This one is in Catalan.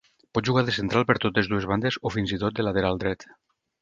Pot jugar de central per totes dues bandes o fins i tot de lateral dret.